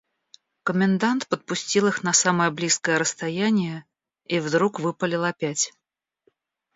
Комендант подпустил их на самое близкое расстояние и вдруг выпалил опять.